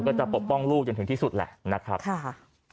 ก็จะปกป้องลูกจนถึงที่สุดแหละ